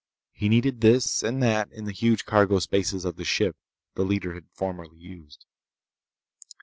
He needed this and that in the huge cargo spaces of the ship the leader had formerly used.